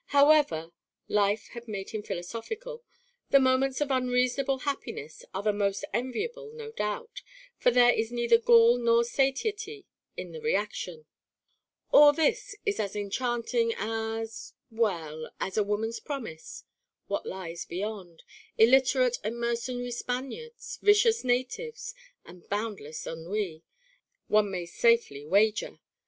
"However," life had made him philosophical; "the moments of unreasonable happiness are the most enviable no doubt, for there is neither gall nor satiety in the reaction. All this is as enchanting as well, as a woman's promise. What lies beyond? Illiterate and mercenary Spaniards, vicious natives, and boundless ennui, one may safely wager.